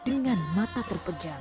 dengan mata terpejam